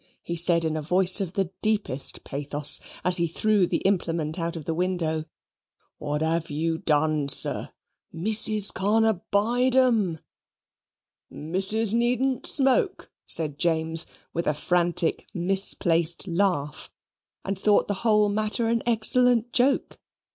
he said in a voice of the deepest pathos, as he threw the implement out of the window. "What 'ave you done, sir! Missis can't abide 'em." "Missis needn't smoke," said James with a frantic misplaced laugh, and thought the whole matter an excellent joke.